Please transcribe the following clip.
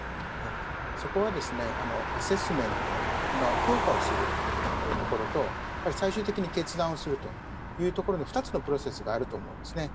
そこは、アセスメント評価をするところと、最終的に決断をするというところで２つのプロセスがあると思います。